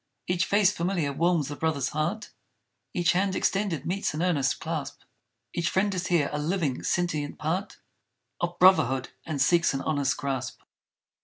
Each face familiar warms the brother's heart; Each hand extended meets an earnest clasp; Each friend is here, a living sentient part Of Brotherhood and seeks an honest grasp!